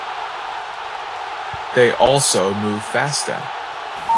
They also move faster.